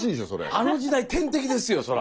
あの時代天敵ですよそら。